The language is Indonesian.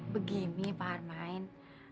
begini pak harmaid